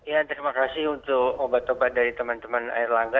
ya terima kasih untuk obat obat dari teman teman air langga